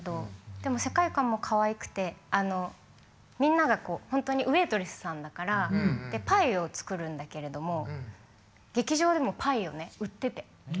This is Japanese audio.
でも世界観もかわいくてみんながこう本当にウェイトレスさんだからパイを作るんだけれども劇場でもパイを売ってて。